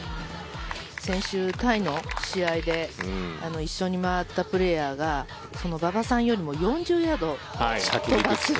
先週、タイの試合で一緒に回ったプレーヤーが馬場さんよりも４０ヤード飛ばす。